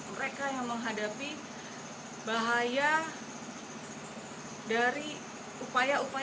mereka yang menghadapi bahaya